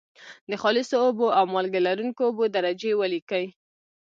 د خالصو اوبو او مالګې لرونکي اوبو درجې ولیکئ.